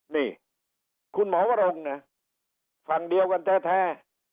นี่คุณหมอวรงนะฝั่งเดียวกันแท้